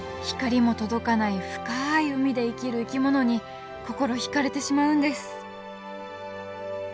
光も届かない深い海で生きる生き物に心引かれてしまうんです！